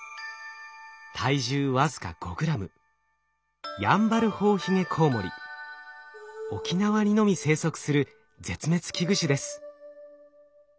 体重僅か５グラム沖縄にのみ生息する絶滅危惧種です。